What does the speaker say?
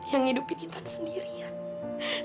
yang ngidupin intan sendirian